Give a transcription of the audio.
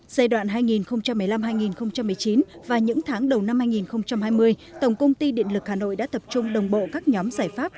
giai đoạn hai nghìn một mươi năm hai nghìn một mươi chín và những tháng đầu năm hai nghìn hai mươi tổng công ty điện lực hà nội đã tập trung đồng bộ các nhóm giải pháp